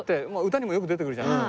歌にもよく出てくるじゃない。